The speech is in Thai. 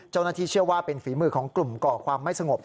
เจ้าหน้าที่เชื่อว่าเป็นฝีมือของกลุ่มก่อความไม่สงบ